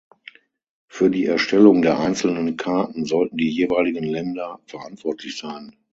Für die Erstellung der einzelnen Karten sollten die jeweiligen Länder verantwortlich sein.